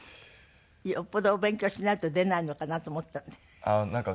よっぽどお勉強しないと出ないのかなと思ったんで。